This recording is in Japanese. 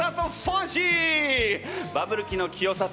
バブル期の清里